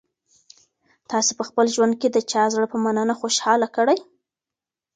تاسي په خپل ژوند کي د چا زړه په مننه خوشاله کړی؟